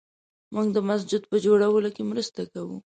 موږ د مسجد په جوړولو کې مرسته کوو